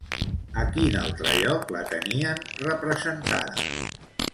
A quin altre lloc la tenien representada?